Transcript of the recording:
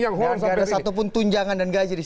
yang hoan sampai beri